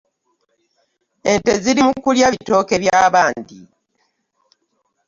Ente ziiri mu kulya bitooke bya bandi.